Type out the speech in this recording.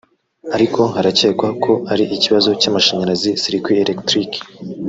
ariko haracyekwa ko ari ikibazo cy’amashanyarazi (circuit électrique)